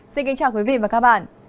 xin kính chào quý vị và các bạn